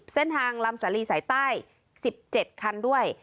เส้นทางลำสาลีสายใต้๑๗คันด้วย